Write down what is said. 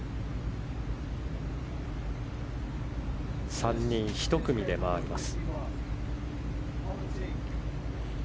３人１組で回ります。